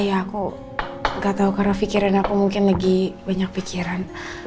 ya aku nggak tahu karena pikiran aku mungkin lagi banyak pikiran